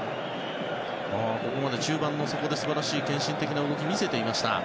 ここまで中盤の底で素晴らしい献身的な動きを見せていました。